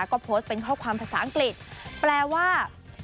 ก็โพสต์เป็นข้อความภาษาอังกฤษแปลว่า